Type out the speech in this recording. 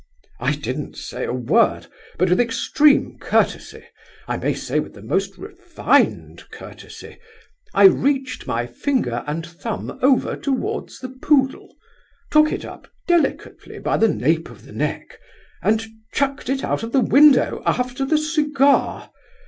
"I didn't say a word, but with extreme courtesy, I may say with most refined courtesy, I reached my finger and thumb over towards the poodle, took it up delicately by the nape of the neck, and chucked it out of the window, after the cigar.